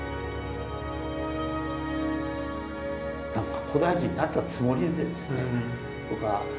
何か古代人になったつもりでですね